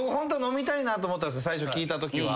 最初聞いたときは。